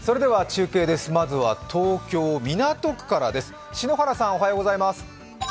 中継ですまずは東京・港区からです。